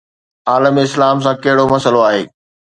عالم اسلام سان ڪهڙو مسئلو آهي؟